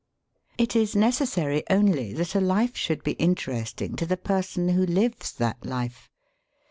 It is necessary only that a life should be interesting to the person who lives that life.